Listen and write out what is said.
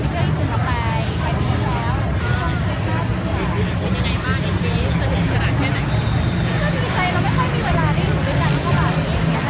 โดยทางหน้านี้เป็นใต้สินค้าต่อไปนะเดี๋ยว